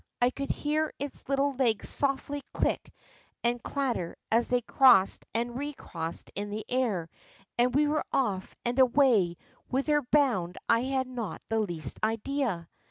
I could hear its little legs softly click and clatter as they crossed and re crossed in the air, and we were off and away, whither hound I had not the least idea.